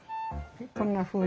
こんなふうに。